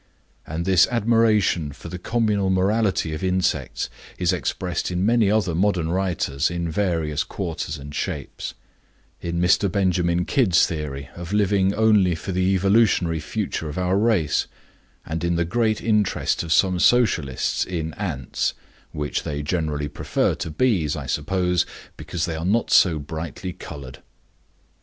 And this admiration for the communal morality of insects is expressed in many other modern writers in various quarters and shapes; in Mr. Benjamin Kidd's theory of living only for the evolutionary future of our race, and in the great interest of some Socialists in ants, which they generally prefer to bees, I suppose, because they are not so brightly colored.